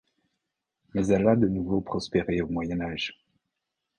Mais elle a de nouveau prospéré au Moyen Âge.